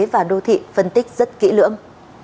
và đô thị phân tích rất kỹ lưỡng